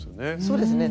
そうですね